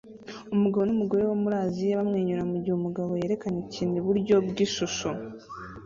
Umugabo numugore wo muri Aziya bamwenyura mugihe umugabo yerekanye ikintu iburyo bwishusho